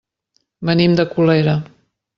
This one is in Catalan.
Venim de Colera.